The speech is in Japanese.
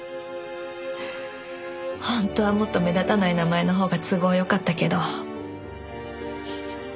本当はもっと目立たない名前のほうが都合良かったけど。